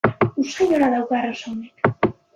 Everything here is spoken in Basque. Usain ona dauka arrosa honek.